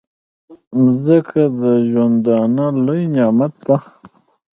مځکه د ژوندانه لوی نعمت دی.